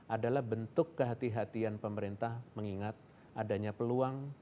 adalah bentuk kehatian kehatian pemerintah mengingat adanya peluang